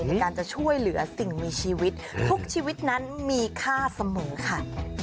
ในการจะช่วยเหลือสิ่งมีชีวิตทุกชีวิตนั้นมีค่าเสมอค่ะ